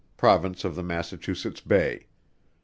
Province of the Massachusetts Bay.